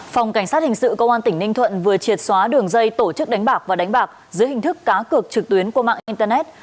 phòng cảnh sát hình sự công an tỉnh ninh thuận vừa triệt xóa đường dây tổ chức đánh bạc và đánh bạc dưới hình thức cá cược trực tuyến qua mạng internet